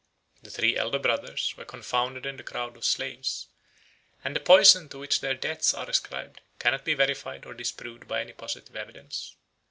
37 The three elder brothers were confounded in the crowd of slaves; and the poison to which their deaths are ascribed cannot be verified or disproved by any positive evidence.